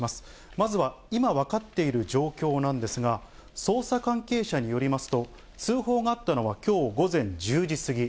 まずは今、分かっている状況なんですが、捜査関係者によりますと、通報があったのはきょう午前１０時過ぎ。